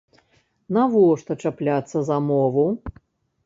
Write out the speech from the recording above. Навошта чапляцца за мову?